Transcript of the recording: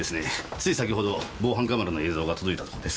つい先程防犯カメラの映像が届いたところです。